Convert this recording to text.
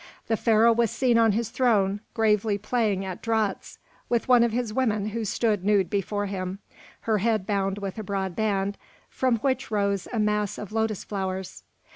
The Pharaoh was seen on his throne, gravely playing at draughts with one of his women who stood nude before him, her head bound with a broad band from which rose a mass of lotus flowers.